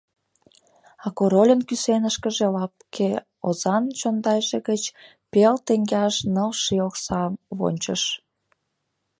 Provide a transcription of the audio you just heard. А Корольын кӱсенышкыже лапке озан чондайже гыч пел теҥгеаш ныл ший окса вончыш.